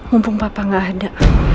mumpung papa gak ada